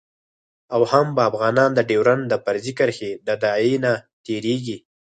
او هم به افغانان د ډیورند د فرضي کرښې د داعیې نه تیریږي